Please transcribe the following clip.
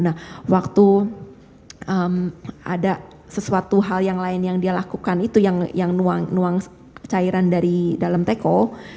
nah waktu ada sesuatu hal yang lain yang dia lakukan itu yang nuang cairan dari dalam teko